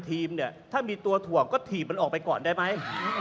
คุณจิลายุเขาบอกว่ามันควรทำงานร่วมกัน